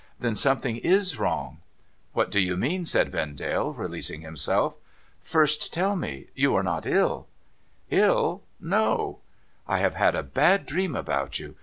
Then something is wrong !'' What do you mean ?' said Vendale, releasing himself. ' First tell me ; you are not ill ?' '111? No.' ' I have had a bad dream about you.